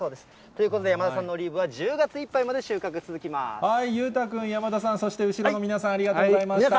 ということで山田さんのオリーブは１０月いっぱいまで収穫、裕太君、山田さん、そして後ろの皆さん、ありがとうございました。